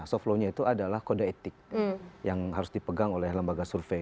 soft law nya itu adalah kode etik yang harus dipegang oleh lembaga survei